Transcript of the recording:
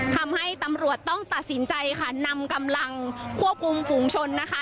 ทำให้ตำรวจต้องตัดสินใจค่ะนำกำลังควบคุมฝูงชนนะคะ